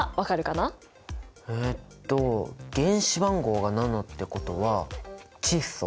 えっと原子番号が７ってことは窒素？